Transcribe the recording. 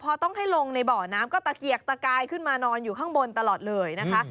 พอต้องให้ลงในบ่อน้ำก็ตะเกียกตะกายขึ้นมานอนอยู่ข้างบนตลอดเลยนะคะ